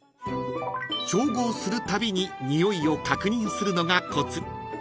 ［調合するたびににおいを確認するのがコツ］